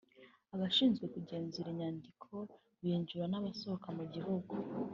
Abashinzwe kugenzura inyandiko z’abinjira n’abasohoka mu gihugu